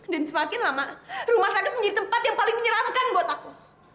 dan semakin lama rumah sakit menjadi tempat yang paling menyeramkan buat aku